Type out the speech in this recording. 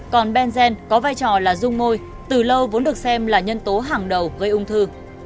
còn benzen có vai trò là dung môi từ lâu vốn được xem là nhân tố hàng đầu gây ung thư